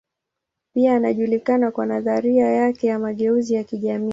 Pia anajulikana kwa nadharia yake ya mageuzi ya kijamii.